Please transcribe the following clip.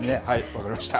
分かりました。